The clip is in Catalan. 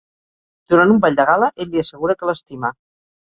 Durant un ball de gala, ell li assegura que l'estima.